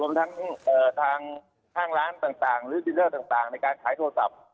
ทั้งทางห้างร้านต่างหรือดินเลอร์ต่างในการขายโทรศัพท์